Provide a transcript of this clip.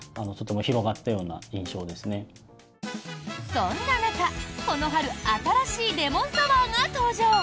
そんな中、この春新しいレモンサワーが登場！